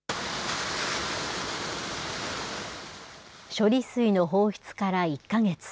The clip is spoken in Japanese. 処理水の放出から１か月。